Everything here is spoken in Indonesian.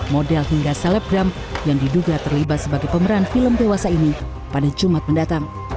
model hingga selebgram yang diduga terlibat sebagai pemeran film dewasa ini pada jumat mendatang